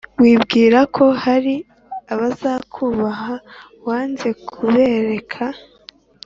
wibwira ko hari abazakwubaha wamaze kubereka